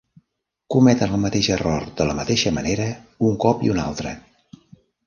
Cometen el mateix error de la mateixa manera un cop i un altre.